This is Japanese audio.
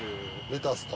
レタスと。